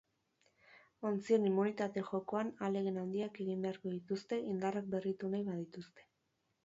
Ontzien immunitate jokoan ahalegin handiak egin beharko dituzte indarrak berritu nahi badituzte.